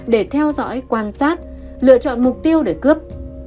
để theo dõi quan sát lựa chọn mục tiêu để cướp